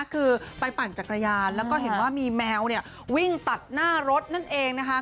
คือไปปั่นจักรยานแล้วก็เห็นว่ามีแมววิ่งตัดหน้ารถนั่นเองนะคะ